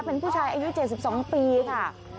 เป็นผู้ชายอายุ๗๒ปีค่ะ